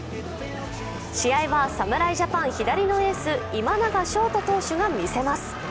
試合は侍ジャパン左のエース・今永昇太選手が見せます。